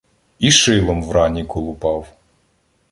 І шилом в рані колупав.